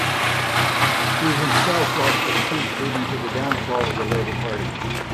He himself lost his seat leading to the downfall of the Labour Party.